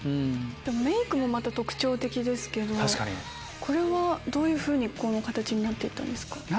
メイクも特徴的ですけどこれはどういうふうにこの形になって行ったんですか？